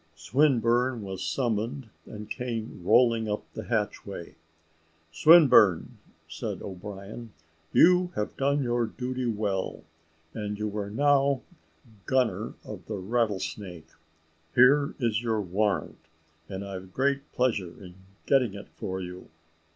Swinburne was summoned, and came rolling up the hatchway. "Swinburne," said O'Brien, "you have done your duty well, and you are now gunner of the Rattlesnake. Here is your warrant, and I've great pleasure in getting it for you."